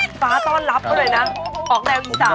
สวรรค์ต้อนรับก็เลยนะออกแล้วอีส่าน